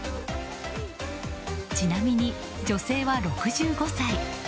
ちなみに、女性は６５歳。